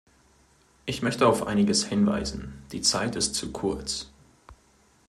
Ich möchte auf einiges hinweisen, die Zeit ist zu kurz.